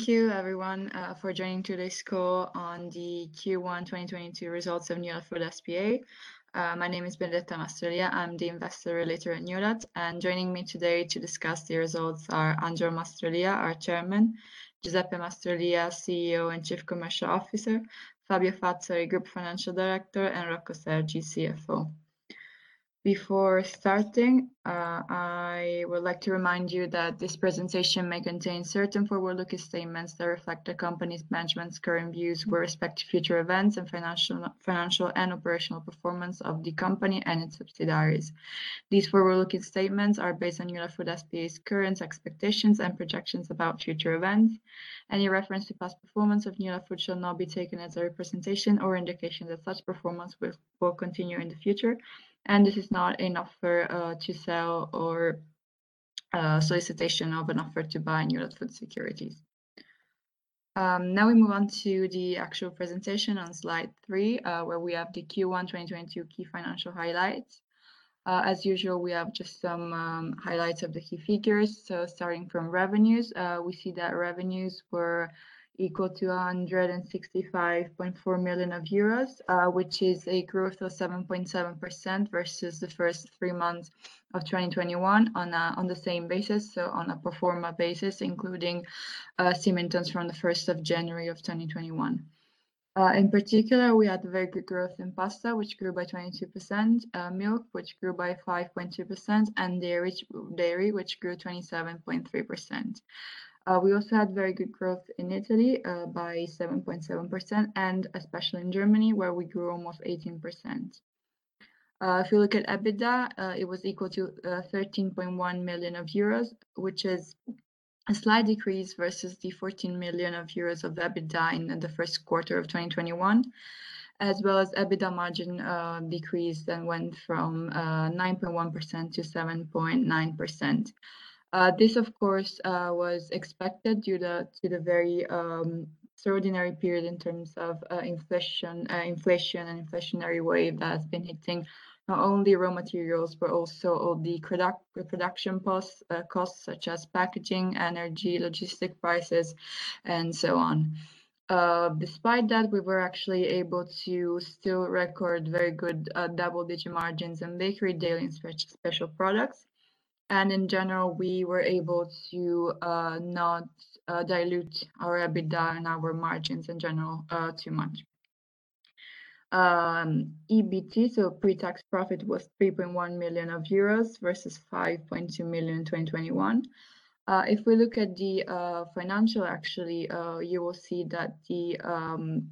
Thank you everyone for joining today's call on the Q1 2022 results of Newlat Food S.p.A. My name is Benedetta Mastrolia. I'm the investor relations at Newlat Food. Joining me today to discuss the results are Angelo Mastrolia, our Chairman; Giuseppe Mastrolia, CEO and Chief Commercial Officer; Fabio Fazzari, Group Financial Director; and Rocco Sergi, CFO. Before starting, I would like to remind you that this presentation may contain certain forward-looking statements that reflect the company's management's current views with respect to future events and financial and operational performance of the company and its subsidiaries. These forward-looking statements are based on Newlat Food S.p.A.'s current expectations and projections about future events. Any reference to past performance of Newlat Food shall not be taken as a representation or indication that such performance will continue in the future. This is not an offer to sell or solicitation of an offer to buy Newlats securities. Now we move on to the actual presentation on Slide three, where we have the Q1 2022 key financial highlights. As usual, we have just some highlights of the key figures. Starting from revenues, we see that revenues were equal to 165.4 million euros, which is a growth of 7.7% versus the first three months of 2021 on the same basis, so on a pro forma basis, including Symington's from the 1st of January of 2021. In particular, we had very good growth in pasta, which grew by 22%; milk, which grew by 5.2%; and dairy, which grew 27.3%. We also had very good growth in Italy by 7.7% and especially in Germany, where we grew almost 18%. If you look at EBITDA, it was equal to 13.1 million euros, which is a slight decrease versus the 14 million euros of EBITDA in the first quarter of 2021, as well as EBITDA margin decreased and went from 9.1% to 7.9%. This of course was expected due to the very extraordinary period in terms of inflation and inflationary wave that has been hitting not only raw materials, but also all the production costs such as packaging, energy, logistics prices, and so on. Despite that, we were actually able to still record very good double-digit margins in bakery, dairy, and special products. In general, we were able to not dilute our EBITDA and our margins in general too much. EBT, so pre-tax profit, was 3.1 million euros versus 5.2 million euros in 2021. If we look at the financial actually, you will see that the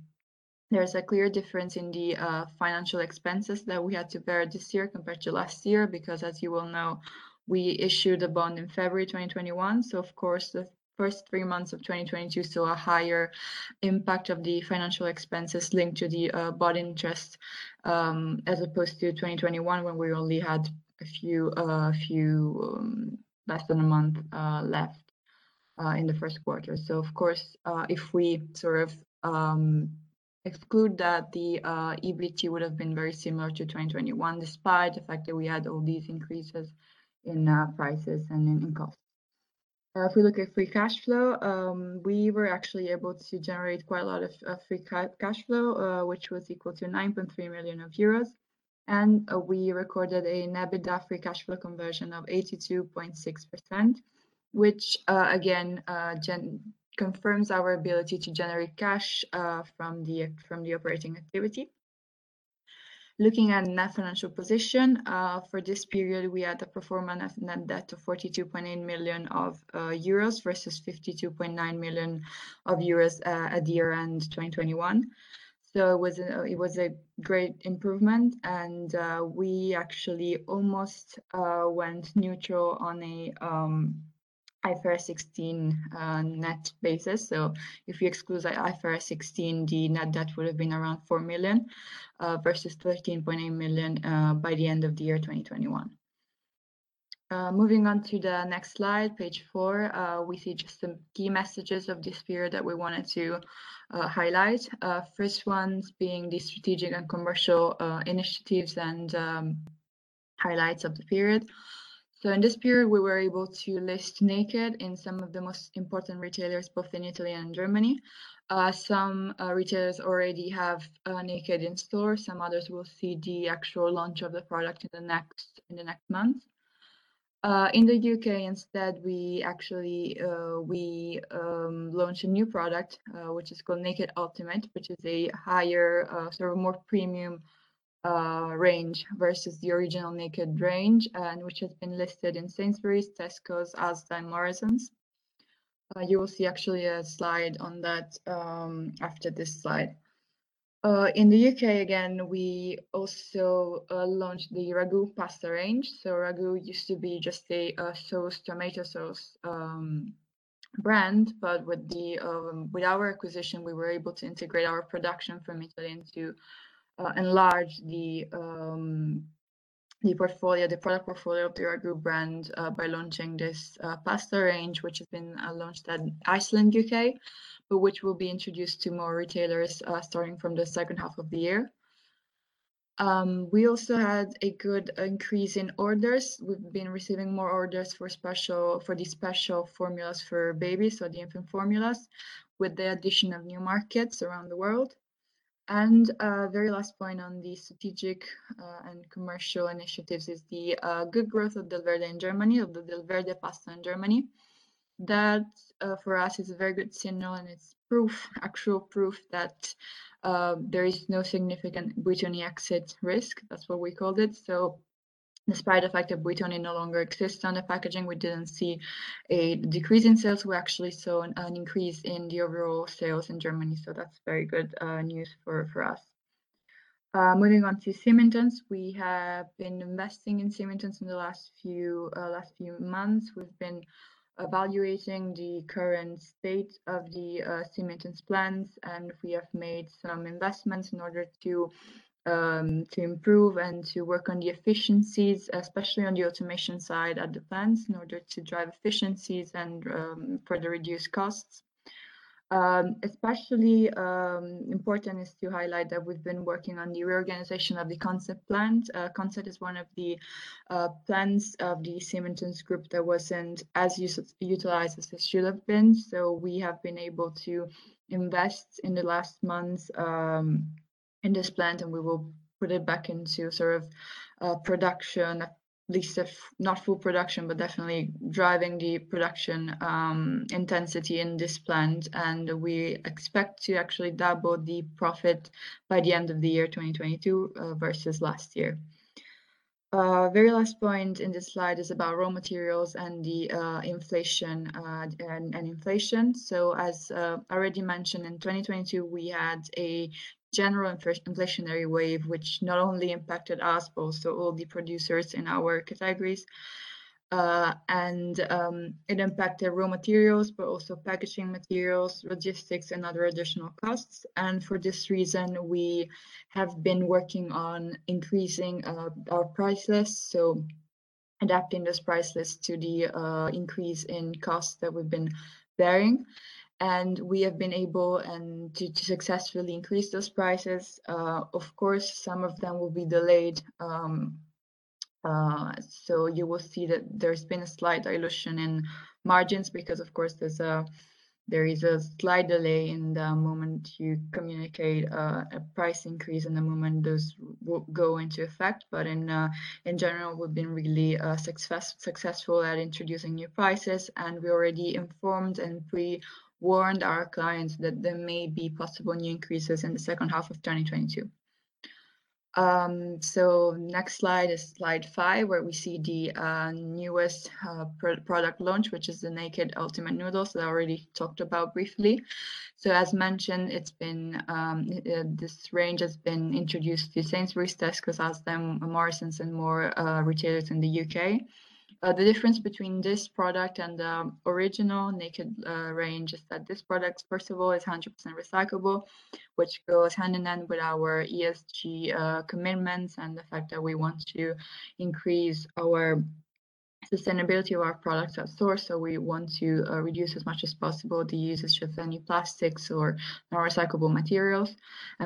there's a clear difference in the financial expenses that we had to bear this year compared to last year, because as you well know, we issued a bond in February 2021. Of course, the first three months of 2022 saw a higher impact of the financial expenses linked to the bond interest as opposed to 2021, when we only had a few less than a month left in the first quarter. Of course, if we sort of exclude that, the EBT would have been very similar to 2021, despite the fact that we had all these increases in prices and in costs. If we look at free cash flow, we were actually able to generate quite a lot of free cash flow, which was equal to 9.3 million euros. We recorded an EBITDA free cash flow conversion of 82.6%, which again confirms our ability to generate cash from the operating activity. Looking at net financial position, for this period, we had a pro forma net debt of 42.8 million euros versus 52.9 million euros at the year-end 2021. It was a great improvement. We actually almost went neutral on a IFRS 16 net basis. If you exclude IFRS 16, the net debt would have been around 4 million versus 13.8 million by the end of the year 2021. Moving on to the next slide, page four, we see just some key messages of this period that we wanted to highlight. First ones being the strategic and commercial initiatives and highlights of the period. In this period, we were able to list Naked in some of the most important retailers, both in Italy and Germany. Some retailers already have Naked in store. Some others will see the actual launch of the product in the next month. In the U.K. instead, we actually launched a new product, which is called Naked Ultimate, which is a higher sort of more premium range versus the original Naked range, and which has been listed in Sainsbury's, Tesco's, Asda, and Morrisons. You will see actually a slide on that after this slide. In the U.K., again, we also launched the Ragù pasta range. Ragù used to be just a sauce, tomato sauce, brand. With our acquisition, we were able to integrate our production from Italy and to enlarge the portfolio, the product portfolio of the Rag`u brand by launching this pasta range, which has been launched at Iceland, but which will be introduced to more retailers starting from the second half of the year. We also had a good increase in orders. We've been receiving more orders for the special formulas for babies or the infant formulas with the addition of new markets around the world. Very last point on the strategic and commercial initiatives is the good growth of Delverde in Germany, of the Delverde pasta in Germany. That for us is a very good signal, and it's proof, actual proof that there is no significant Brexit risk. That's what we called it. Despite the fact that Buitoni no longer exists on the packaging, we didn't see a decrease in sales. We actually saw an increase in the overall sales in Germany. That's very good news for us. Moving on to Symington's. We have been investing in Symington's in the last few months. We've been evaluating the current state of the Symington's plants, and we have made some investments in order to improve and to work on the efficiencies, especially on the automation side at the plants in order to drive efficiencies and further reduce costs. Especially important is to highlight that we've been working on the reorganization of the Consett plant. Consett is one of the plants of the Symington's group that wasn't as utilized as it should have been. We have been able to invest in the last months in this plant, and we will put it back into sort of production, at least if not full production, but definitely driving the production intensity in this plant. We expect to actually double the profit by the end of the year 2022 versus last year. Very last point in this slide is about raw materials and the inflation. As already mentioned, in 2022, we had a general inflationary wave which not only impacted us, but also all the producers in our categories. It impacted raw materials, but also packaging materials, logistics, and other additional costs. For this reason, we have been working on increasing our price lists, so adapting this price list to the increase in costs that we've been bearing. We have been able to successfully increase those prices. Of course, some of them will be delayed, so you will see that there's been a slight dilution in margins because of course there is a slight delay in the moment you communicate a price increase and the moment those go into effect. In general, we've been really successful at introducing new prices, and we already informed and pre-warned our clients that there may be possible new increases in the second half of 2022. Next slide is slide five, where we see the newest product launch, which is the Naked Ultimate Noodles that I already talked about briefly. As mentioned, this range has been introduced to Sainsbury's, Tesco, Asda, Morrisons, and more retailers in the U.K.. The difference between this product and the original Naked range is that this product, first of all, is 100% recyclable, which goes hand in hand with our ESG commitments and the fact that we want to increase our sustainability of our products at source. We want to reduce as much as possible the usage of any plastics or non-recyclable materials.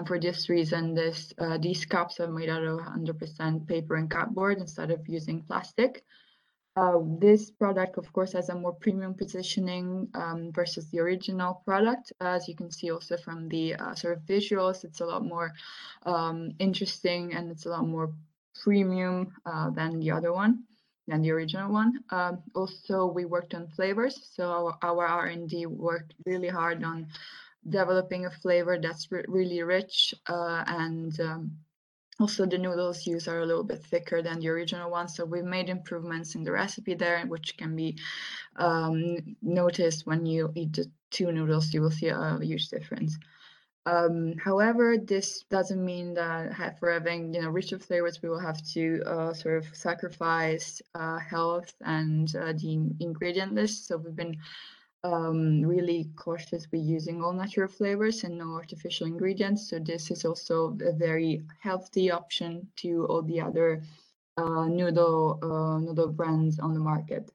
For this reason, these cups are made out of 100% paper and cardboard instead of using plastic. This product of course has a more premium positioning versus the original product. As you can see also from the sort of visuals, it's a lot more interesting, and it's a lot more premium than the other one, than the original one. Also, we worked on flavors. Our R&D worked really hard on developing a flavor that's really rich. Also the noodles used are a little bit thicker than the original one. We've made improvements in the recipe there, which can be noticed when you eat the two noodles. You will see a huge difference. However, this doesn't mean that for having you know richer flavors, we will have to sort of sacrifice health and the ingredient list. We've been really cautious. We're using all natural flavors and no artificial ingredients, so this is also a very healthy option to all the other noodle brands on the market.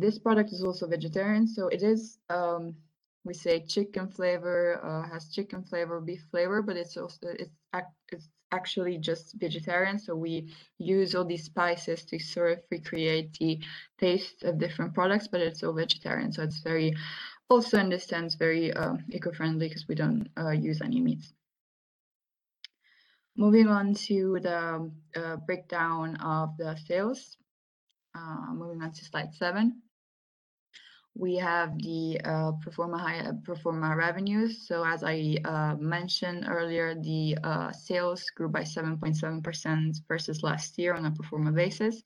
This product is also vegetarian, so we say chicken flavor, beef flavor, but it's actually just vegetarian. We use all these spices to sort of recreate the taste of different products, but it's all vegetarian. It's also in this sense very eco-friendly 'cause we don't use any meats. Moving on to the breakdown of the sales. Moving on to slide 7. We have the pro forma revenues. As I mentioned earlier, the sales grew by 7.7% versus last year on a pro forma basis.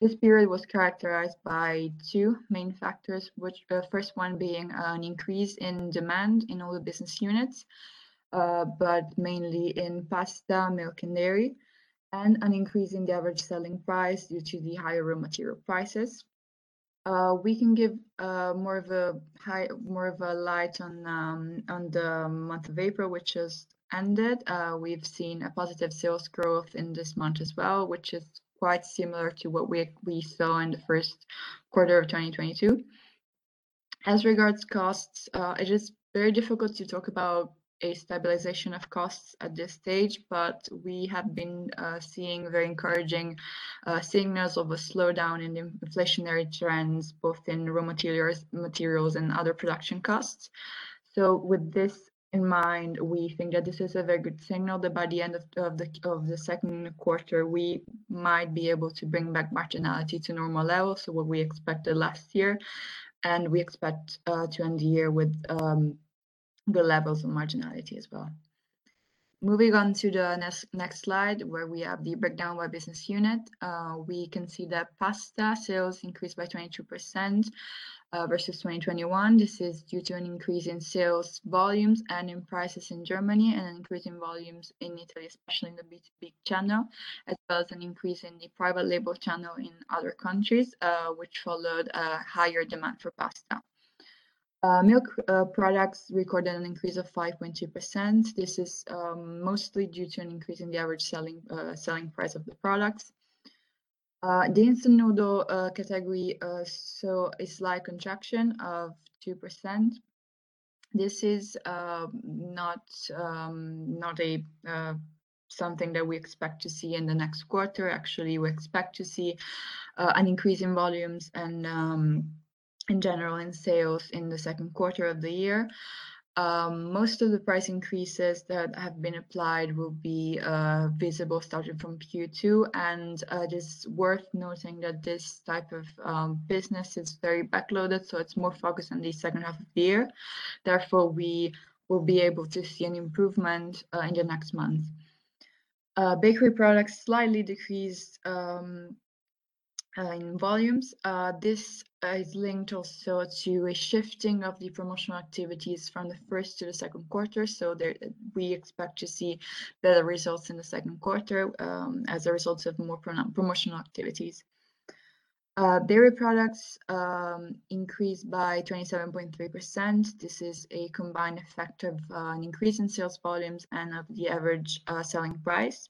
This period was characterized by two main factors, which first one being an increase in demand in all the business units, but mainly in pasta, milk, and dairy, and an increase in the average selling price due to the higher raw material prices. We can give more light on the month of April, which just ended. We've seen a positive sales growth in this month as well, which is quite similar to what we saw in the first quarter of 2022. As regards costs, it is very difficult to talk about a stabilization of costs at this stage. We have been seeing very encouraging signals of a slowdown in the inflationary trends, both in raw materials and other production costs. With this in mind, we think that this is a very good signal that by the end of the second quarter, we might be able to bring back marginality to normal levels. What we expected last year, and we expect to end the year with good levels of marginality as well. Moving on to the next slide where we have the breakdown by business unit. We can see that pasta sales increased by 22% versus 2021. This is due to an increase in sales volumes and in prices in Germany and an increase in volumes in Italy, especially in the B2B channel, as well as an increase in the private label channel in other countries, which followed a higher demand for pasta. Milk products recorded an increase of 5.2%. This is mostly due to an increase in the average selling price of the products. The instant noodle category saw a slight contraction of 2%. This is not something that we expect to see in the next quarter. Actually, we expect to see an increase in volumes and in general in sales in the second quarter of the year. Most of the price increases that have been applied will be visible starting from Q2. It is worth noting that this type of business is very back-loaded, so it's more focused on the second half of the year. Therefore, we will be able to see an improvement in the next months. Bakery products slightly decreased in volumes. This is linked also to a shifting of the promotional activities from the first to the second quarter. There, we expect to see better results in the second quarter as a result of more promotional activities. Dairy products increased by 27.3%. This is a coobined effect of an increase in sales volumes and of the average selling price.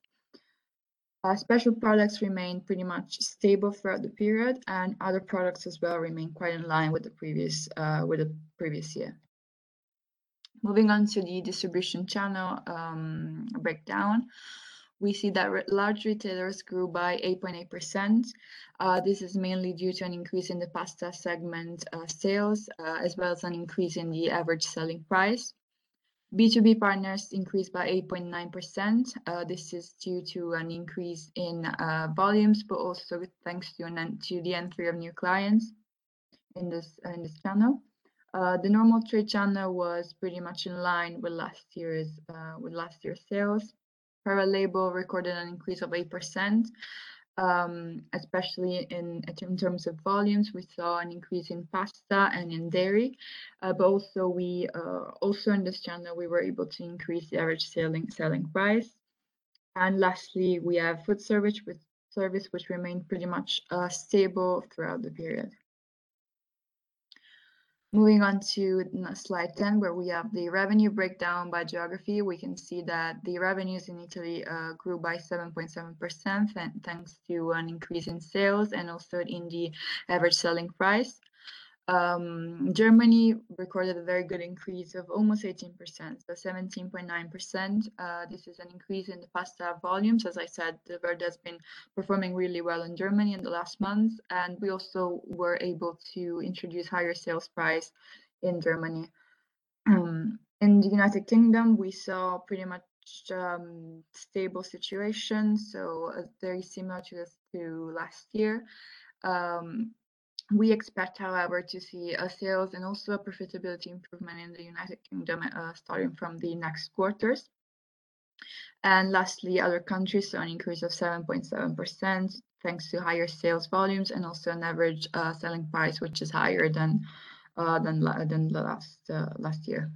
Special products remained pretty much stable throughout the period, and other products as well remained quite in line with the previous year. Moving on to the distribution channel breakdown. We see that large retailers grew by 8.8%. This is mainly due to an increase in the pasta segment sales as well as an increase in the average selling price. B2B partners increased by 8.9%. This is due to an increase in volumes, but also thanks to the entry of new clients in this channel. The normal trade channel was pretty much in line with last year's sales. Private label recorded an increase of 8%, especially in terms of volumes. We saw an increase in pasta and in dairy. But also in this channel, we were able to increase the average selling price. Lastly, we have food service, which remained pretty much stable throughout the period. Moving on to slide 10, where we have the revenue breakdown by geography. We can see that the revenues in Italy grew by 7.7%, thanks to an increase in sales and also in the average selling price. Germany recorded a very good increase of almost 18%, so 17.9%. This is an increase in the pasta volumes. As I said, the brand has been performing really well in Germany in the last months, and we also were able to introduce higher sales price in Germany. In the United Kingdom, we saw pretty much stable situation, so very similar to last year. We expect, however, to see a sales and also a profitability improvement in the United Kingdom, starting from the next quarters. Lastly, other countries saw an increase of 7.7%, thanks to higher sales volumes and also an average selling price, which is higher than last year.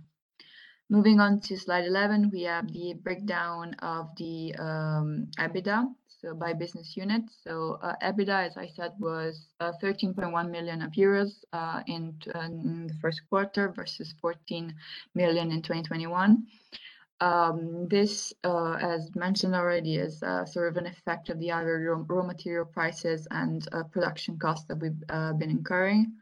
Moving on to slide 11, we have the breakdown of the EBITDA, so by business unit. EBITDA, as I said, was 13.1 million euros in the first quarter versus 14 million in 2021. This, as mentioned already, is sort of an effect of the higher raw material prices and production costs that we've been incurring.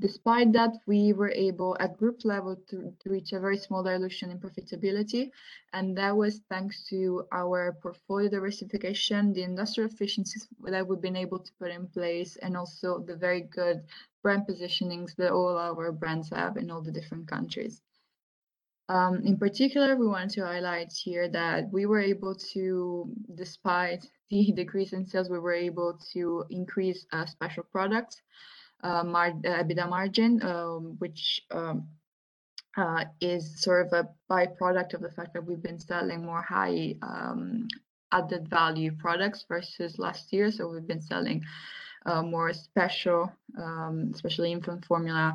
Despite that, we were able, at group level, to reach a very small dilution in profitability, and that was thanks to our portfolio diversification, the industrial efficiencies that we've been able to put in place, and also the very good brand positionings that all our brands have in all the different countries. In particular, we want to highlight here that we were able to. Despite the decrease in sales, we were able to increase special products EBITDA margin, which is sort of a by-product of the fact that we've been selling more high added value products versus last year. We've been selling more special especially infant formula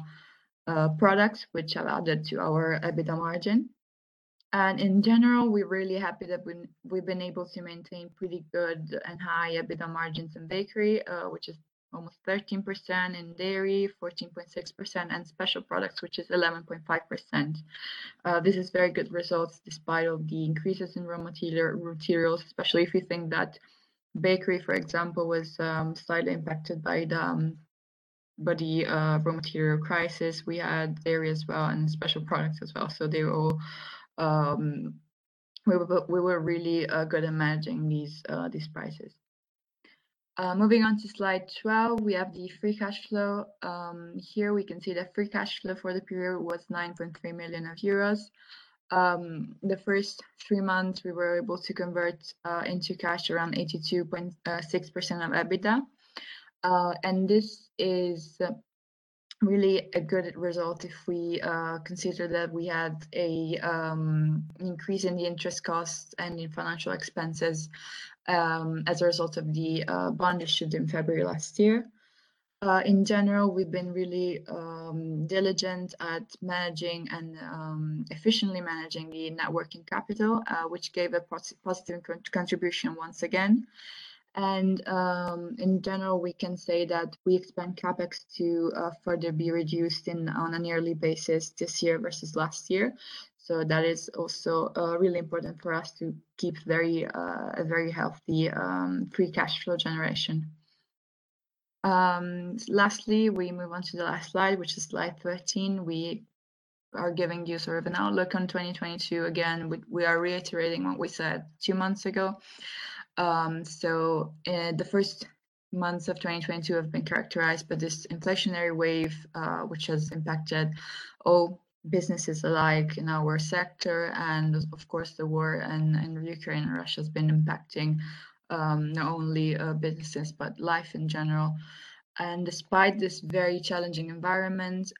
products which have added to our EBITDA margin. In general, we're really happy that we've been able to maintain pretty good and high EBITDA margins in bakery, which is almost 13%, in dairy, 14.6%, and special products, which is 11.5%. This is very good results despite of the increases in raw materials, especially if you think that bakery, for example, was slightly impacted by the raw material crisis we had there as well, and special products as well. We were really good at managing these prices. Moving on to slide 12, we have the free cash flow. Here we can see the free cash flow for the period was 9.3 million euros. The first three months we were able to convert into cash around 82.6% of EBITDA. This is really a good result if we consider that we had an increase in the interest costs and in financial expenses as a result of the bond issued in February last year. In general, we've been really diligent at managing and efficiently managing the net working capital, which gave a positive contribution once again. In general, we can say that we expect CapEx to further be reduced on a yearly basis this year versus last year. That is also really important for us to keep a very healthy free cash flow generation. Lastly, we move on to the last slide, which is slide 13. We are giving you sort of an outlook on 2022. Again, we are reiterating what we said two months ago. The first months of 2022 have been characterized by this inflationary wave, which has impacted all businesses alike in our sector, and of course the war in Ukraine and Russia has been impacting not only businesses, but life in general. Despite this very challenging environment.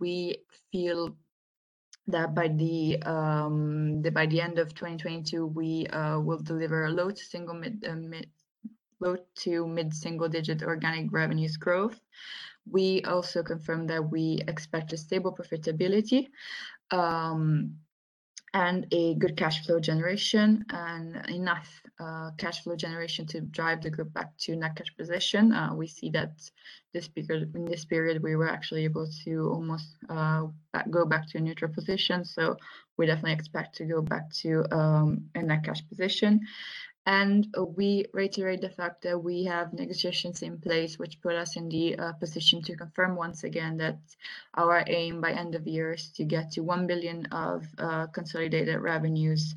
We feel that by the end of 2022, we will deliver a low- to mid-single-digit organic revenues growth. We also confirm that we expect a stable profitability, and a good cash flow generation and enough cash flow generation to drive the group back to net cash position. We see that in this period, we were actually able to almost go back to a neutral position, so we definitely expect to go back to a net cash position. We reiterate the fact that we have negotiations in place which put us in the position to confirm once again that our aim by end of year is to get to 1 billion of consolidated revenues,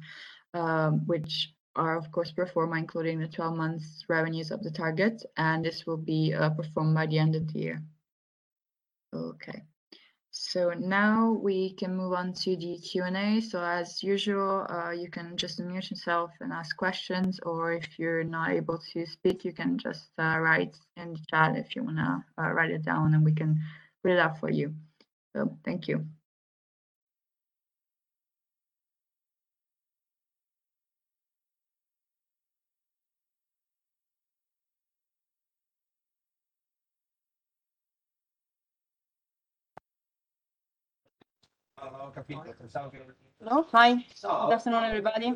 which are of course pro forma, including the 12 months revenues of the target, and this will be performed by the end of the year. Okay. Now we can move on to the Q&A. As usual, you can just unmute yourself and ask questions, or if you're not able to speak, you can just write in the chat if you wanna write it down and we can read it out for you. Thank you. Hello. Hi. Good afternoon, everybody.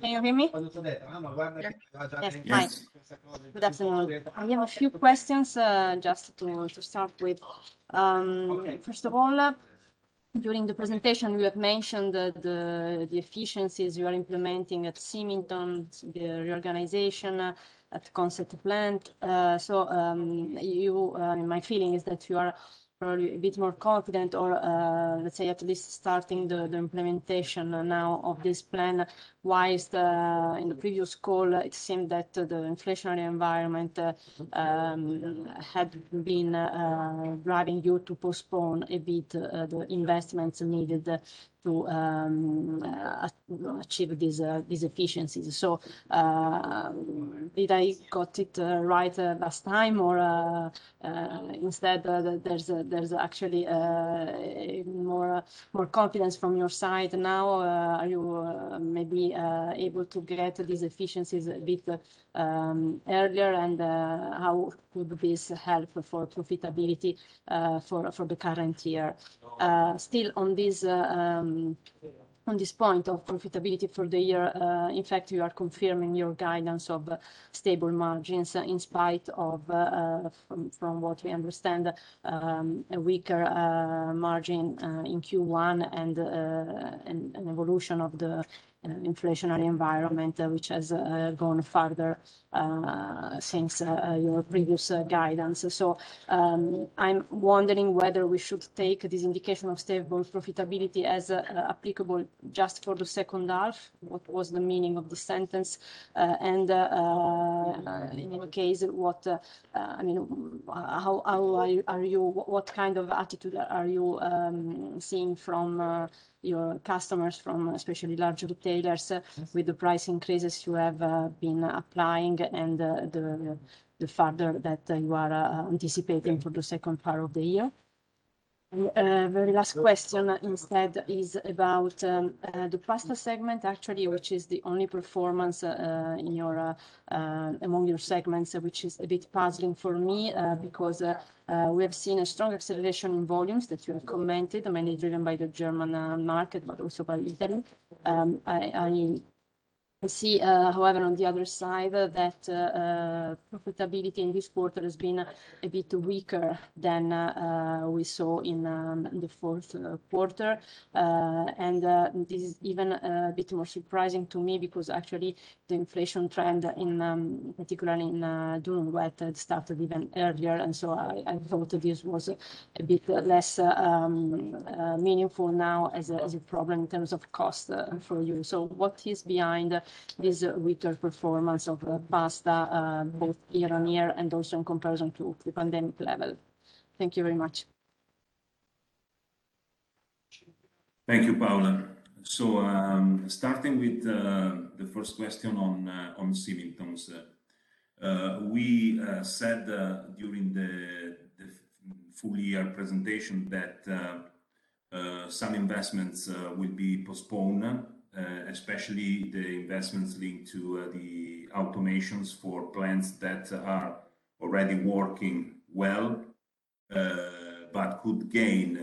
Can you hear me? Yeah. That's fine. Good afternoon. I have a few questions, just to start with. First of all, during the presentation you have mentioned the efficiencies you are implementing at Symington's, the reorganization at Consett plant. My feeling is that you are probably a bit more confident or, let's say at least starting the implementation now of this plan. In the previous call, it seemed that the inflationary environment had been driving you to postpone a bit the investments needed to achieve these efficiencies. Did I got it right last time or instead, there's actually more confidence from your side now? Are you maybe able to get these efficiencies a bit earlier? How could this help for profitability for the current year? Still on this point of profitability for the year, in fact you are confirming your guidance of stable margins in spite of from what we understand a weaker margin in Q1 and an evolution of the inflationary environment which has gone further since your previous guidance. I'm wondering whether we should take this indication of stable profitability as applicable just for the second half. What was the meaning of the sentence? In any case, what I mean, how are you... What kind of attitude are you seeing from your customers, from especially large retailers with the price increases you have been applying and the further that you are anticipating for the second part of the year? Very last question instead is about the pasta segment actually, which is the only performance among your segments, which is a bit puzzling for me, because we have seen a strong acceleration in volumes that you have commented, mainly driven by the German market, but also by Italy. I see, however, on the other side that profitability in this quarter has been a bit weaker than we saw in the fourth quarter. This is even a bit more surprising to me because actually the inflation trend, particularly in durum wheat, had started even earlier. I thought this was a bit less meaningful now as a problem in terms of cost for you. What is behind this weaker performance of pasta both year-on-year and also in comparison to the pandemic level? Thank you very much. Thank you, Paolo. Starting with the first question on Symington's. We said during the full year presentation that some investments will be postponed, especially the investments linked to the automations for plants that are already working well, but could gain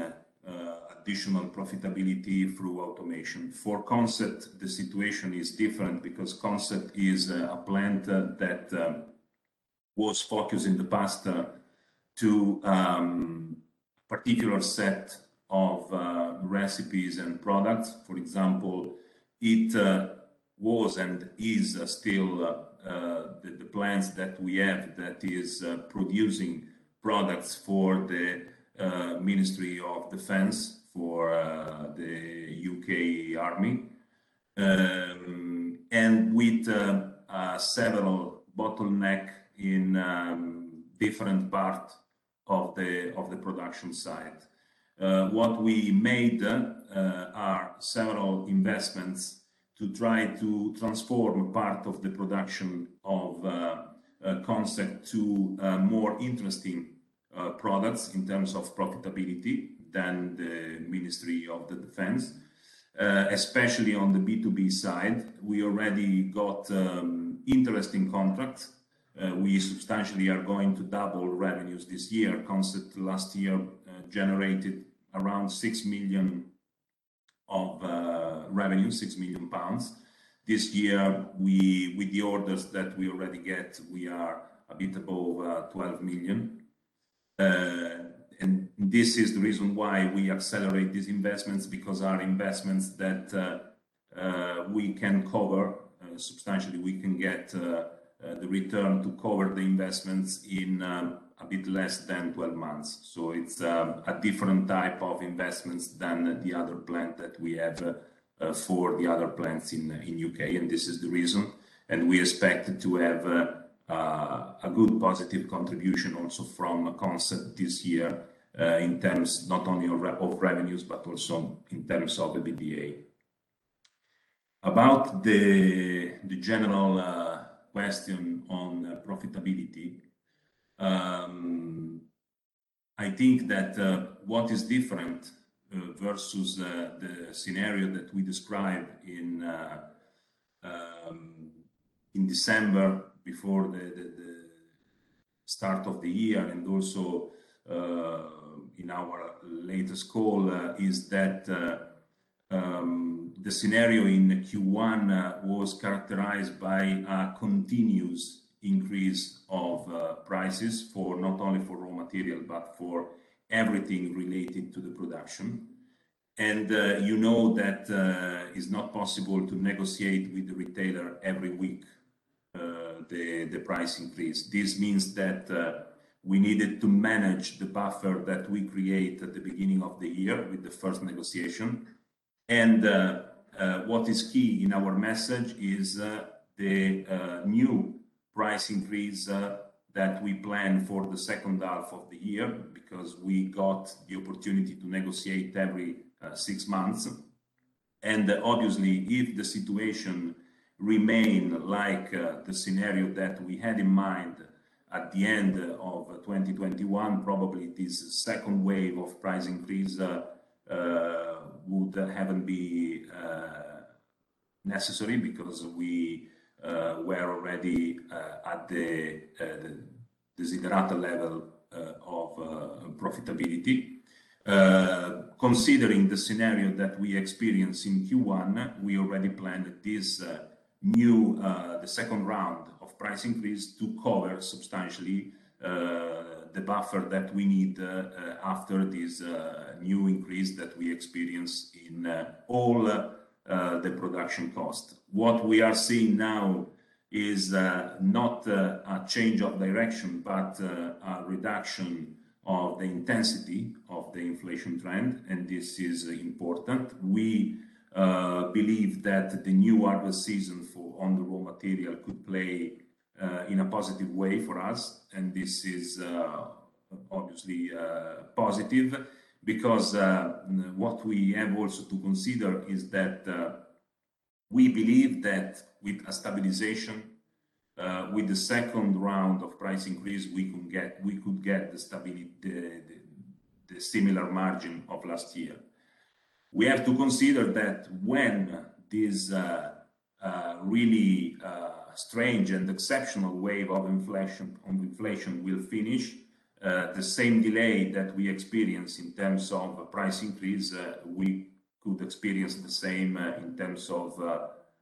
additional profitability through automation. For Consett, the situation is different because Consett is a plant that was focused in the past on a particular set of recipes and products. For example, it was and is still the plant that we have that is producing products for the Ministry of Defence for the British Army, and with several bottlenecks in different parts of the production site. What we made are several investments to try to transform part of the production of Consett to more interesting products in terms of profitability than the Ministry of Defence, especially on the B2B side. We already got interesting contracts. We substantially are going to double revenues this year. Consett last year generated around 6 million of revenue, six million pounds. This year, with the orders that we already get, we are a bit above 12 million. This is the reason why we accelerate these investments because our investments that we can cover substantially, we can get the return to cover the investments in a bit less than 12 months. It's a different type of investments than the other plant that we have for the other plants in U.K., and this is the reason. We expect to have a good positive contribution also from Consett this year in terms not only of revenues, but also in terms of the EBITDA. About the general question on profitability, I think that what is different versus the scenario that we described in December before the start of the year and also in our latest call is that the scenario in Q1 was characterized by a continuous increase of prices not only for raw material, but for everything related to the production. You know that it's not possible to negotiate with the retailer every week the price increase. This means that we needed to manage the buffer that we create at the beginning of the year with the first negotiation. What is key in our message is the new price increase that we plan for the second half of the year, because we got the opportunity to negotiate every six months. Obviously, if the situation remain like the scenario that we had in mind at the end of 2021, probably this second wave of price increase would haven't be necessary because we were already at the desired level of profitability. Considering the scenario that we experience in Q1, we already planned the second round of price increase to cover substantially the buffer that we need after this new increase that we experience in all the production cost. What we are seeing now is not a change of direction, but a reduction of the intensity of the inflation trend, and this is important. We believe that the new harvest season for the raw material could play in a positive way for us. This is obviously positive because what we have also to consider is that we believe that with a stabilization with the second round of price increase, we could get the stability, the similar margin of last year. We have to consider that when this really strange and exceptional wave of inflation will finish, the same delay that we experience in terms of price increase, we could experience the same in terms of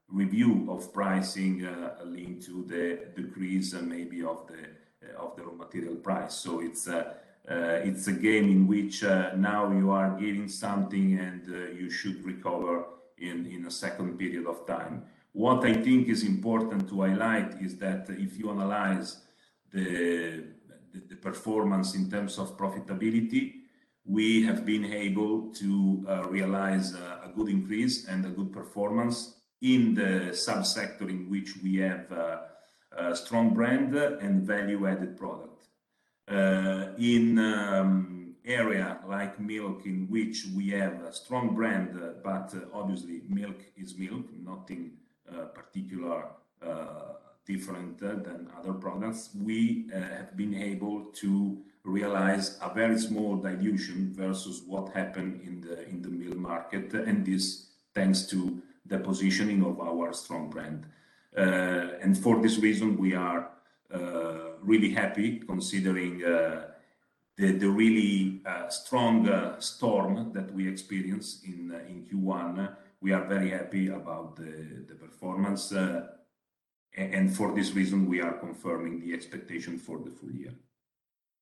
review of pricing linked to the decrease maybe of the raw material price. It's a game in which now you are giving something and you should recover in a second period of time. What I think is important to highlight is that if you analyze the performance in terms of profitability, we have been able to realize a good increase and a good performance in the sub-sector in which we have a strong brand and value-added product. In area like milk in which we have a strong brand, but obviously milk is milk, nothing particularly different than other products, we have been able to realize a very small dilution versus what happened in the milk market, and this thanks to the positioning of our strong brand. For this reason, we are really happy considering the really strong storm that we experience in Q1. We are very happy about the performance, and for this reason, we are confirming the expectation for the full year.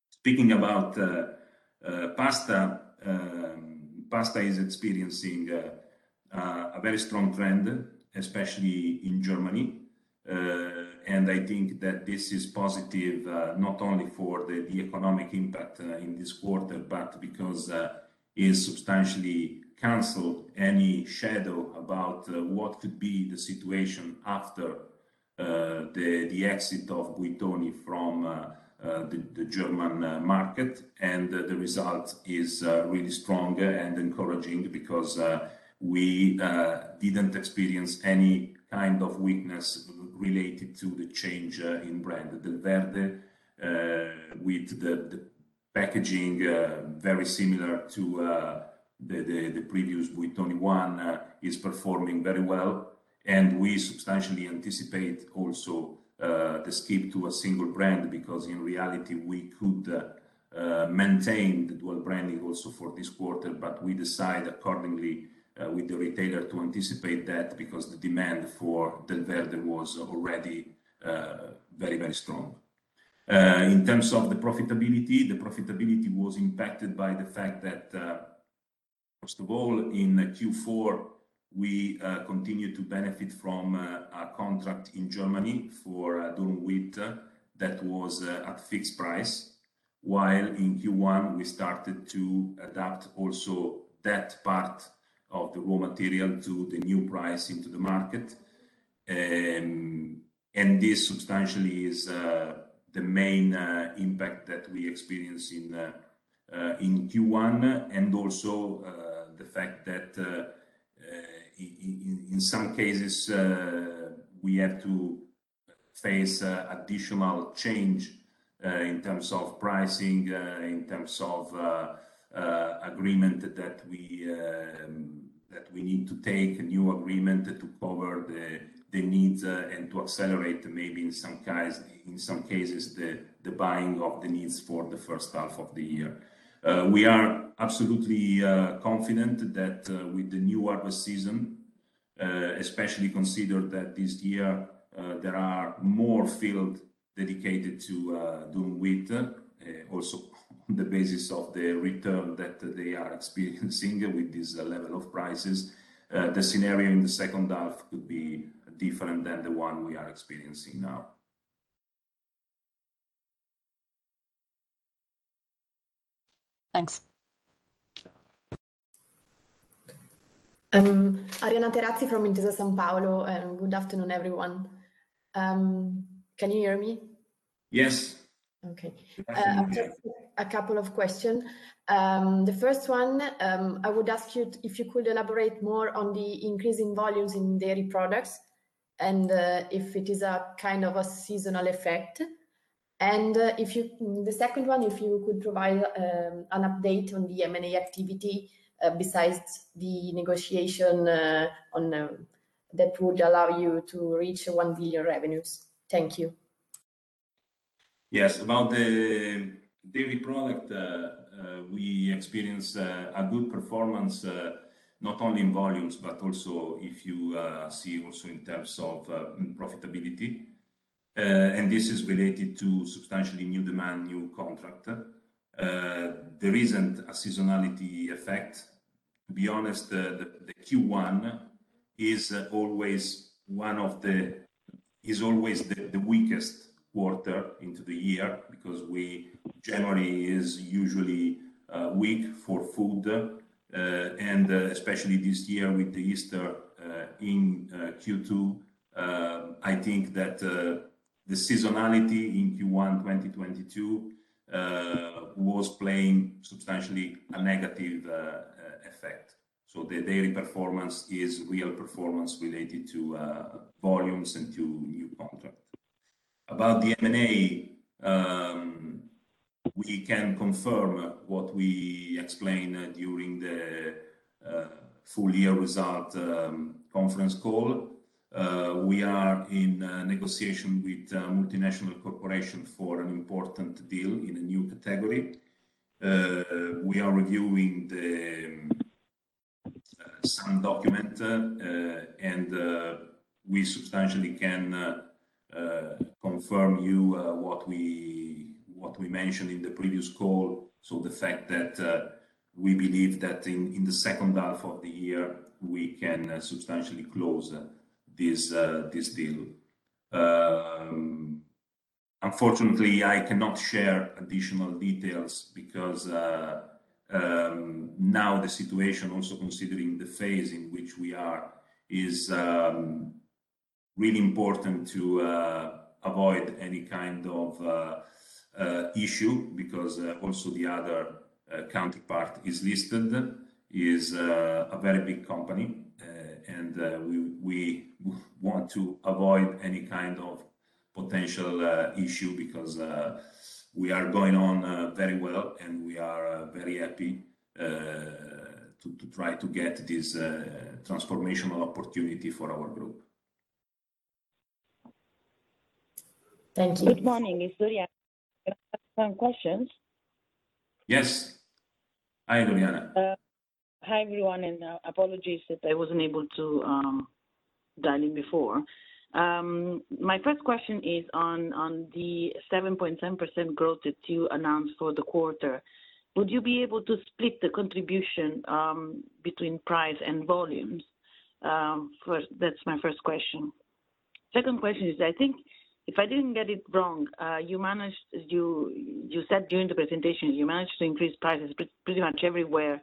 Speaking about pasta is experiencing a very strong trend, especially in Germany. I think that this is positive, not only for the economic impact in this quarter, but because it substantially cancel any shadow about what could be the situation after the exit of Buitoni from the German market. The result is really strong and encouraging because we didn't experience any kind of weakness related to the change in brand. Delverde with the packaging very similar to the previous Buitoni one is performing very well. We substantially anticipate also the skip to a single brand because in reality, we could maintain the dual branding also for this quarter, but we decide accordingly with the retailer to anticipate that because the demand for Delverde was already very strong. In terms of the profitability, the profitability was impacted by the fact that, first of all, in Q4, we continued to benefit from a contract in Germany for durum wheat that was at fixed price. While in Q1, we started to adapt also that part of the raw material to the new price in the market. This substantially is the main impact that we experience in Q1, and also the fact that in some cases we had to face additional change in terms of pricing, in terms of agreement that we need to take, a new agreement to cover the needs and to accelerate maybe in some cases the buying of the needs for the first half of the year. We are absolutely confident that with the new harvest season, especially considering that this year there are more fields dedicated to durum wheat, also the basis of the return that they are experiencing with this level of prices. The scenario in the second half could be different than the one we are experiencing now. Thanks. Sure. Arianna Teppati from Intesa Sanpaolo. Good afternoon, everyone. Can you hear me? Yes. Okay. Absolutely, yeah. Just a couple of questions. The first one, I would ask you if you could elaborate more on the increasing volumes in dairy products and if it is a kind of a seasonal effect. The second one, if you could provide an update on the M&A activity, besides the negotiation on that would allow you to reach 1 billion revenues. Thank you. Yes. About the dairy product, we experienced a good performance, not only in volumes, but also if you see also in terms of profitability. This is related to substantially new demand, new contract. There isn't a seasonality effect. To be honest, the Q1 is always the weakest quarter into the year because January is usually weak for food. Especially this year with the Easter in Q2, I think that the seasonality in Q1 2022 was playing substantially a negative effect. The dairy performance is real performance related to volumes and to new contract. About the M&A, we can confirm what we explained during the full year result conference call. We are in negotiation with a multinational corporation for an important deal in a new category. We are reviewing the some document, and we substantially can confirm you what we mentioned in the previous call. The fact that we believe that in the second half of the year, we can substantially close this deal. Unfortunately, I cannot share additional details because now the situation also considering the phase in which we are is really important to avoid any kind of issue because also the other counterpart is listed, a very big company. We want to avoid any kind of potential issue because we are going on very well, and we are very happy to try to get this transformational opportunity for our group. Thank you. Good morning. It's Doriana. Can I ask some questions? Yes. Hi, Doriana. Hi, everyone, and apologies that I wasn't able to dial in before. My first question is on the 7.7% growth that you announced for the quarter. Would you be able to split the contribution between price and volumes? First, that's my first question. Second question is, I think if I didn't get it wrong, you said during the presentation you managed to increase prices pretty much everywhere,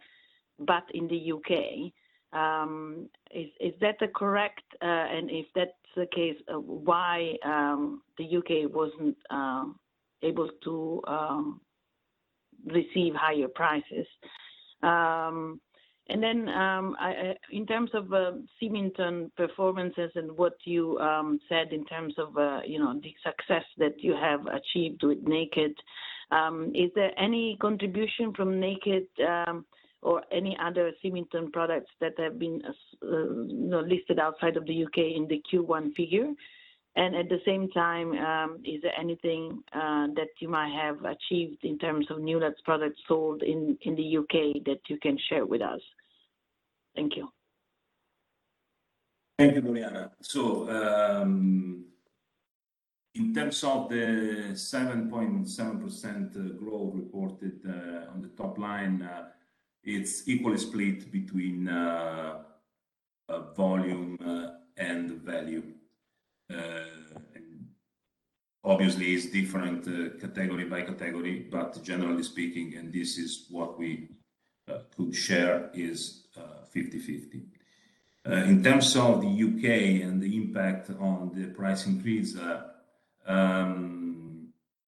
but in the U.K.. Is that correct, and if that's the case, why the U.K. wasn't able to receive higher prices? In terms of Symington performances and what you said in terms of you know, the success that you have achieved with Naked, is there any contribution from Naked or any other Symington products that have been you know, listed outside of the U.K. in the Q1 figure? At the same time, is there anything that you might have achieved in terms of Newlat products sold in the U.K. that you can share with us? Thank you. Thank you, Doriana. In terms of the 7.7% growth reported on the top line, it's equally split between volume and value. Obviously it's different category by category, but generally speaking, this is what we could share is 50/50. In terms of the U.K. and the impact on the price increase,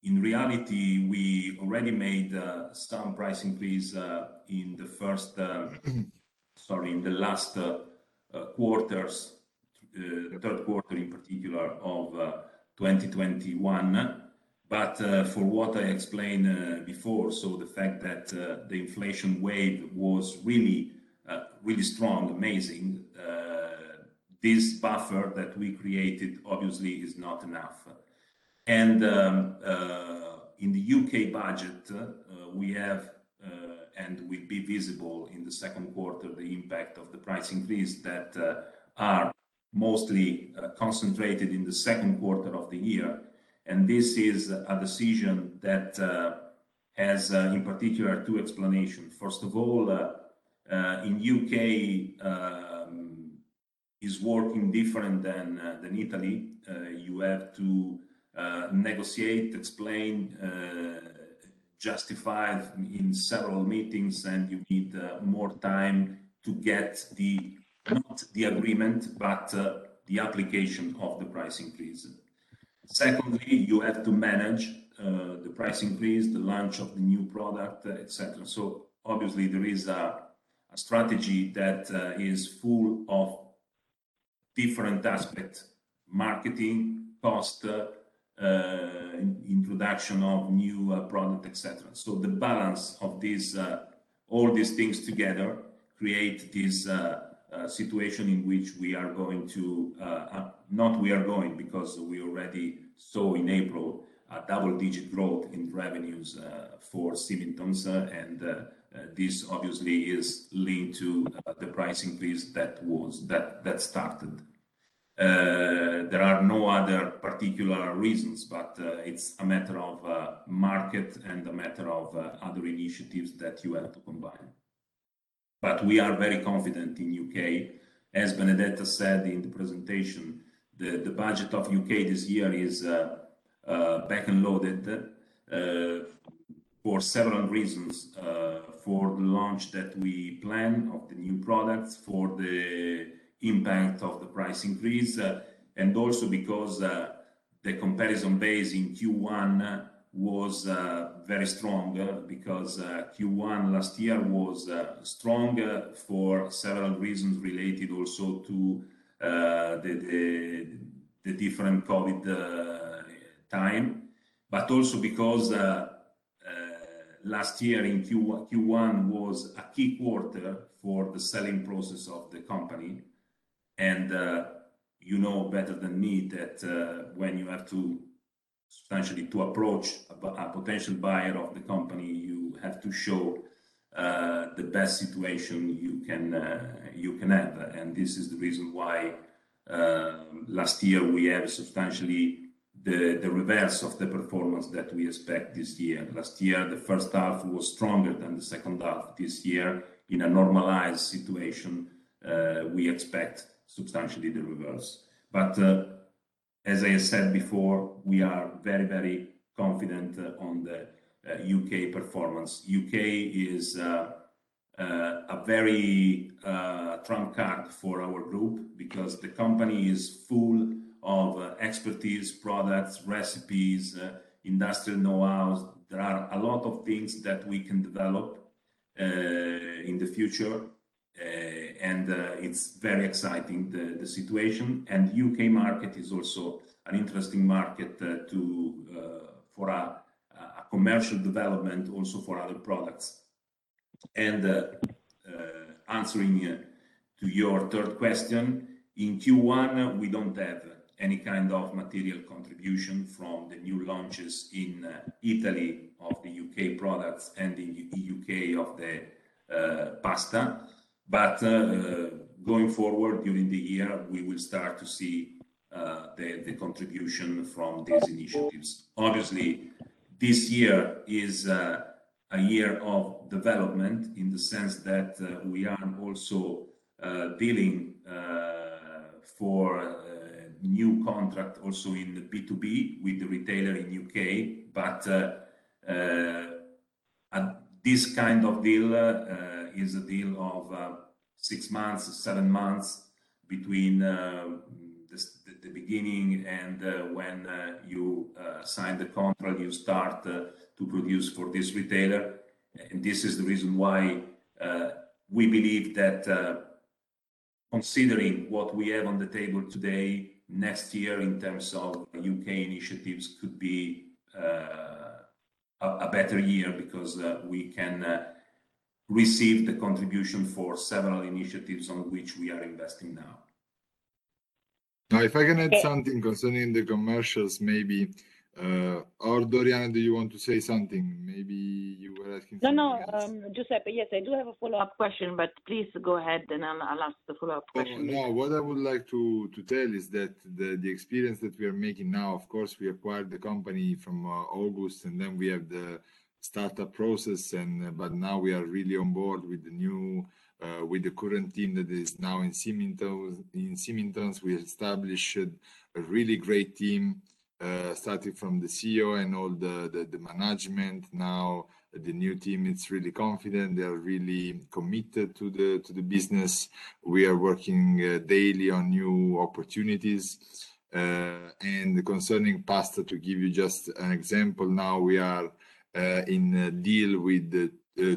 in reality, we already made some price increase in the last quarters, the third quarter in particular of 2021. For what I explained before, the inflation wave was really strong, amazing, this buffer that we created obviously is not enough. In the U.K. budget, we have and will be visible in the second quarter, the impact of the price increase that are mostly concentrated in the second quarter of the year. This is a decision that has in particular two explanations. First of all, in U.K. is working different than Italy. You have to negotiate, explain, justify in several meetings, and you need more time to get the, not the agreement, but the application of the price increase. Secondly, you have to manage the price increase, the launch of the new product, et cetera. Obviously there is a strategy that is full of different aspects, marketing, cost, introduction of new product, et cetera. The balance of these all these things together create this situation in which we already saw in April a double-digit growth in revenues for Symington's. This obviously is linked to the price increase that started. There are no other particular reasons, but it's a matter of market and a matter of other initiatives that you have to combine. We are very confident in U.K. As Benedetta said in the presentation, the budget of U.K. this year is packed and loaded for several reasons, for the launch that we plan of the new products, for the impact of the price increase, and also because the comparison base in Q1 was very strong, because Q1 last year was strong for several reasons related also to the different COVID time, but also because last year in Q1 was a key quarter for the selling process of the company. You know better than me that when you have to substantially approach a potential buyer of the company, you have to show the best situation you can have. This is the reason why last year we had substantially the reverse of the performance that we expect this year. Last year, the first half was stronger than the second half. This year, in a normalized situation, we expect substantially the reverse. As I said before, we are very, very confident on the U.K. performance. U.K. is a very trump card for our group because the company is full of expertise, products, recipes, industrial know hows. There are a lot of things that we can develop in the future. It's very exciting, the situation. U.K. market is also an interesting market to offer a commercial development also for other products. Answering to your third question, in Q1 we don't have any kind of material contribution from the new launches in Italy of the U.K. products and in U.K. of the pasta. Going forward during the year, we will start to see the contribution from these initiatives. Obviously, this year is a year of development in the sense that we are also dealing for new contract also in the B2B with the retailer in U.K. This kind of deal is a deal of six months, seven months between the beginning and when you sign the contract, you start to produce for this retailer. This is the reason why, we believe that, considering what we have on the table today, next year in terms of U.K. initiatives could be, a better year because, we can, receive the contribution for several initiatives on which we are investing now. Now, if I can add something concerning the commercials, maybe. Doriana, do you want to say something? Maybe you were asking something else. No, no, Giuseppe. Yes, I do have a follow-up question, but please go ahead, and I'll ask the follow-up question. No. What I would like to tell is that the experience that we are making now, of course, we acquired the company from August, and then we have the startup process and but now we are really on board with the current team that is now in Symington's. In Symington's, we established a really great team starting from the CEO and all the management. Now the new team is really confident. They're really committed to the business. We are working daily on new opportunities. Concerning pasta, to give you just an example, now we are in a deal with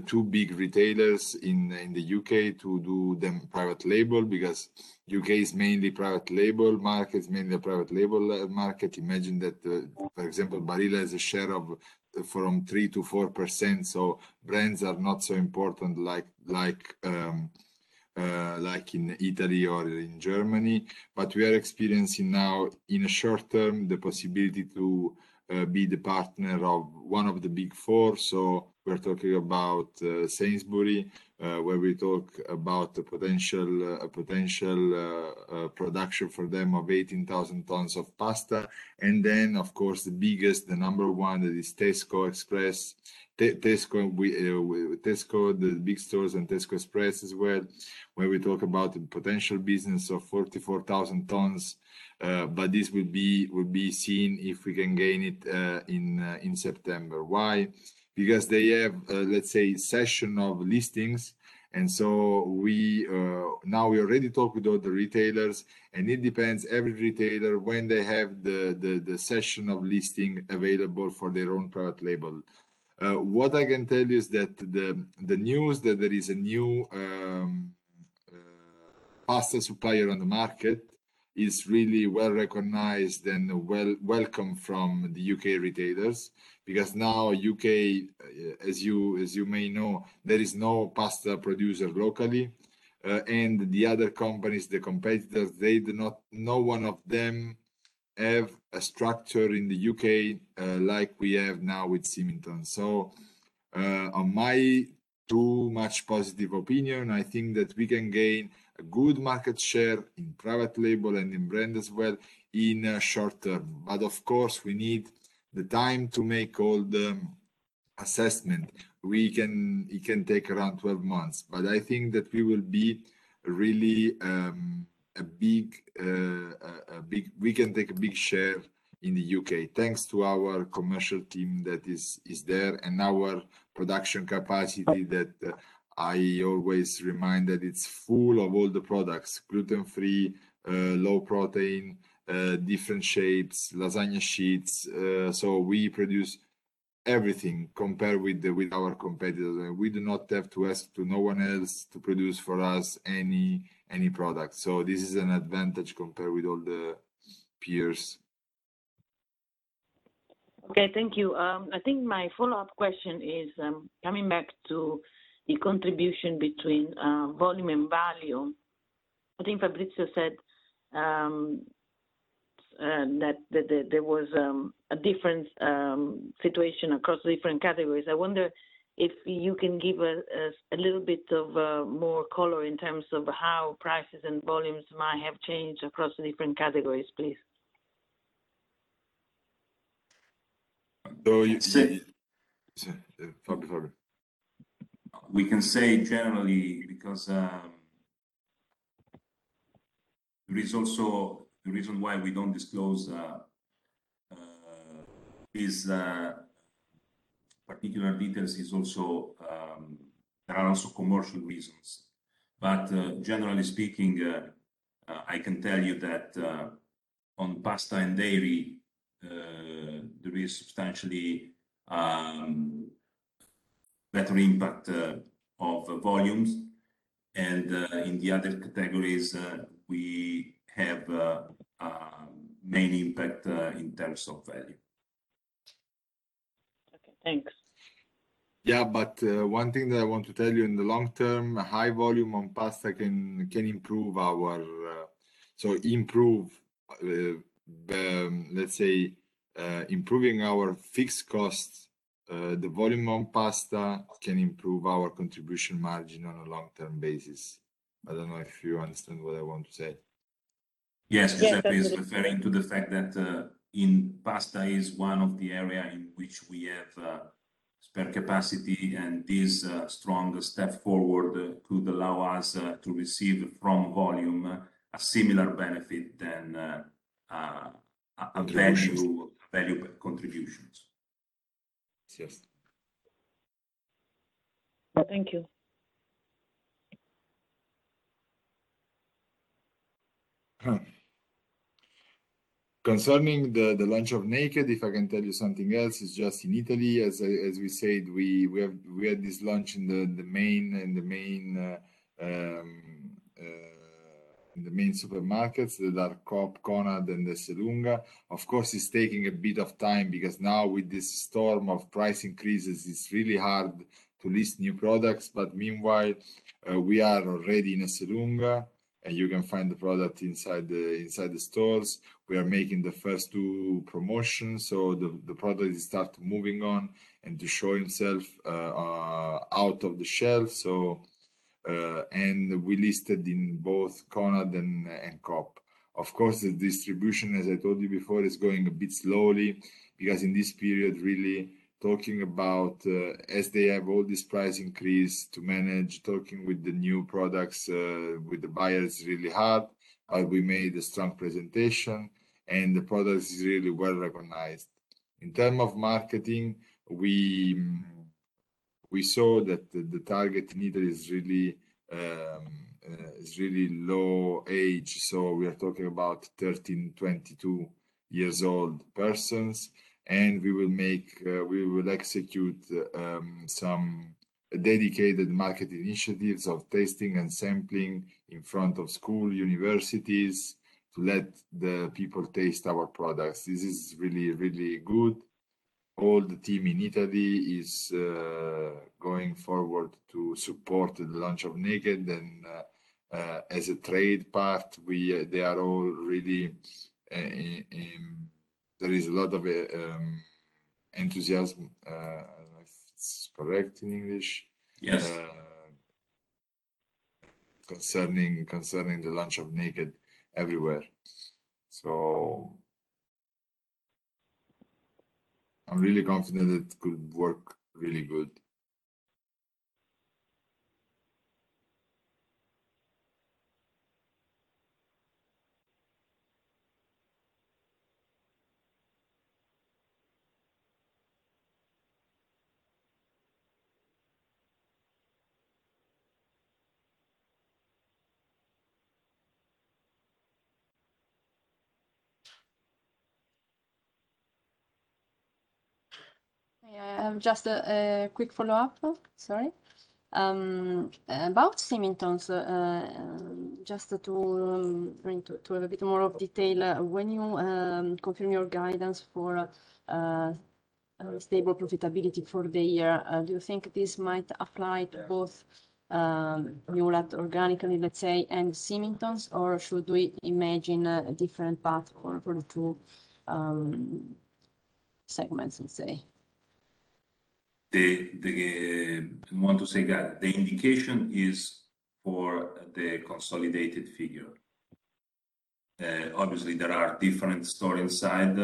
two big retailers in the U.K. to do them private label, because U.K. is mainly private label markets, mainly a private label market. Imagine that, for example, Barilla has a share of from 3%-4%, so brands are not so important like in Italy or in Germany. We are experiencing now in short term the possibility to be the partner of one of the Big Four. We're talking about Sainsbury's, where we talk about the potential production for them of 18,000 tons of pasta. Then of course, the biggest, the number one is Tesco Express. With Tesco, the big stores and Tesco Express as well, where we talk about the potential business of 44,000 tons. This will be seen if we can gain it in September. Why? Because they have, let's say, season of listings. We now already talk with all the retailers, and it depends on every retailer when they have the session of listing available for their own private label. What I can tell you is that the news that there is a new pasta supplier on the market is really well-recognized and well-welcomed from the U.K. retailers. Because now U.K., as you may know, there is no pasta producer locally. The other companies, the competitors, no one of them have a structure in the U.K. like we have now with Symington's. On my too much positive opinion, I think that we can gain a good market share in private label and in brand as well in short term. Of course, we need the time to make all the assessment. We can. It can take around 12 months. I think that we will be really. We can take a big share in the U.K., thanks to our commercial team that is there, and our production capacity that I always remind that it's full of all the products, gluten-free, low protein, different shapes, lasagna sheets. We produce everything compared with our competitors. We do not have to ask to no one else to produce for us any product. This is an advantage compared with all the peers. Okay. Thank you. I think my follow-up question is coming back to the contribution between volume and value. I think Fabio Fazzari said that there was a different situation across different categories. I wonder if you can give us a little bit of more color in terms of how prices and volumes might have changed across the different categories, please. Sorry. Fabio, sorry. We can say generally. The reason why we don't disclose particular details is also. There are also commercial reasons. Generally speaking, I can tell you that on pasta and dairy there is substantially better impact of volumes. In the other categories we have main impact in terms of value. Okay. Thanks. Yeah. One thing that I want to tell you, in the long term, a high volume on pasta can improve our fixed costs, the volume on pasta can improve our contribution margin on a long-term basis. I don't know if you understand what I want to say. Yes, I do. Yes. Giuseppe is referring to the fact that in pasta is one of the areas in which we have spare capacity, and this strong step forward could allow us to receive from volume a similar benefit to. Contributions a value contributions. Yes. Thank you. Concerning the launch of Naked, if I can tell you something else, it's just in Italy, as we said, we had this launch in the main supermarkets, Coop, Conad, and Esselunga. Of course, it's taking a bit of time because now with this storm of price increases, it's really hard to list new products. Meanwhile, we are already in Esselunga, and you can find the product inside the stores. We are making the first two promotions, so the product start moving on and to show himself out of the shelf. We listed in both Conad and Coop. Of course, the distribution, as I told you before, is going a bit slowly because in this period, as they have all this price increase to manage, talking about the new products with the buyers is really hard. We made a strong presentation, and the product is really well-recognized. In terms of marketing, we saw that the target needed is really low age. We are talking about 13-22 years old persons. We will execute some dedicated market initiatives of tasting and sampling in front of school, universities to let the people taste our products. This is really, really good. All the team in Italy is going forward to support the launch of Naked. As a trade part, they are all really in. There is a lot of enthusiasm, if it's correct in English. Yes Concerning the launch of Naked everywhere. I'm really confident it could work really good. Yeah. Just a quick follow-up. Sorry. About Symington's, just to bring to a bit more of detail. When you confirm your guidance for stable profitability for the year, do you think this might apply to both Newlat organically, let's say, and Symington's, or should we imagine a different path for the two segments, let's say? I want to say that the indication is for the consolidated figure. Obviously there are different stories inside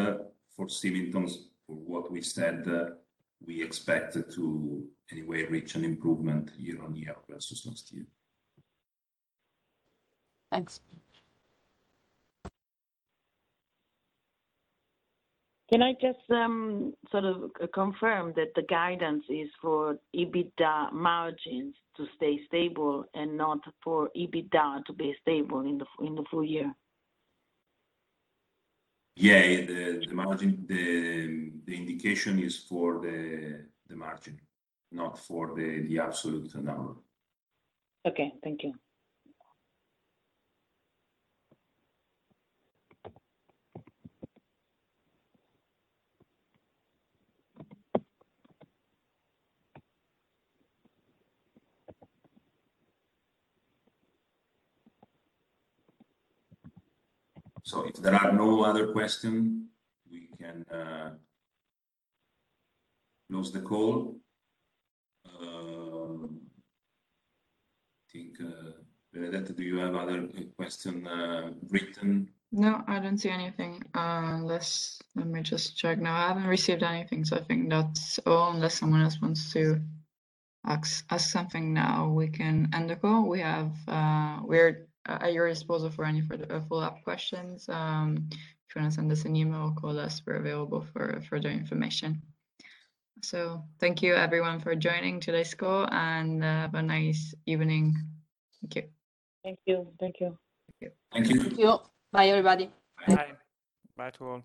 for Symington's. For what we said, we expect to anyway reach an improvement year-on-year versus last year. Thanks. Can I just, sort of confirm that the guidance is for EBITDA margins to stay stable and not for EBITDA to be stable in the full year? Yeah. The margin, the indication is for the margin, not for the absolute number. Okay. Thank you. If there are no other question, we can close the call. I think, Benedetta, do you have other question written? No, I don't see anything, unless. Let me just check now. I haven't received anything, so I think that's all, unless someone else wants to ask something now. We can end the call. We're at your disposal for any further follow-up questions. If you wanna send us an email or call us, we're available for further information. Thank you everyone for joining today's call, and have a nice evening. Thank you. Thank you. Thank you. Thank you. Thank you. Thank you. Bye everybody. Bye. Bye. Bye to all.